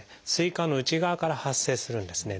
膵管の内側から発生するんですね。